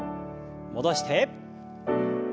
戻して。